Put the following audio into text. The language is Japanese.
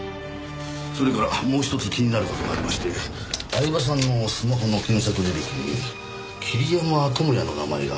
それからもうひとつ気になる事がありまして饗庭さんのスマホの検索履歴に桐山友哉の名前がありました。